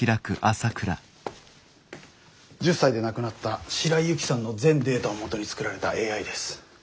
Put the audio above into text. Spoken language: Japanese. １０才で亡くなった白井雪さんの全データをもとに作られたＡＩです。